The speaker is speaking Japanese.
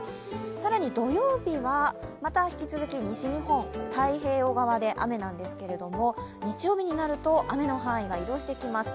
更に土曜日はまた引き続き西日本、太平洋側で雨なんですが日曜日になると、雨の範囲が移動してきます。